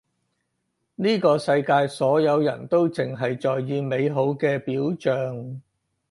呢個世界所有人都淨係在意美好嘅表象